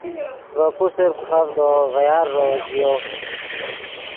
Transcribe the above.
ڤے پوسر فیخڤڈو ڤے یارݱو ژیو